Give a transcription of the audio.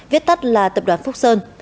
viết tắt là tập đoàn phúc sơn